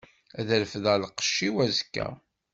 Ad refdeɣ lqecc-iw azekka.